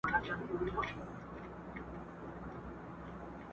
په کهاله کي د مارانو شور ماشور سي!.